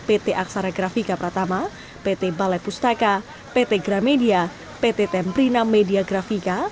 pt aksaragrafika pratama pt balai pustaka pt gramedia pt temprina media grafika